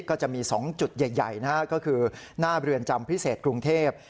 ก็จะมี๒จุดใหญ่นะฮะก็คือหน้าเรือนจำพิเศษกรุงเทพ